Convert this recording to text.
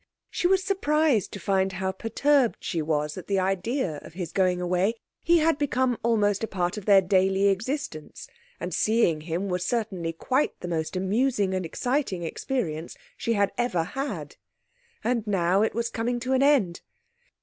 She was surprised to find how perturbed she was at the idea of his going away. He had become almost a part of their daily existence, and seeing him was certainly quite the most amusing and exciting experience she had ever had. And now it was coming to an end.